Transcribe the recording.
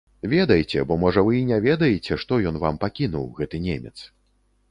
Ведайце, бо можа вы і не ведаеце, што ён вам пакінуў, гэты немец.